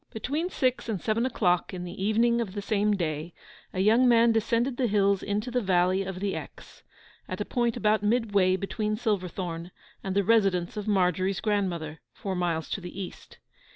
Between six and seven o'clock in the evening of the same day a young man descended the hills into the valley of the Exe, at a point about midway between Silverthorn and the residence of Margery's grandmother, four miles to the east.